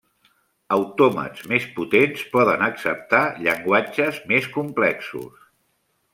Autòmats més potents poden acceptar llenguatges més complexos.